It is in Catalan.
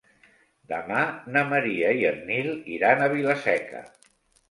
Demà na Maria i en Nil iran a Vila-seca.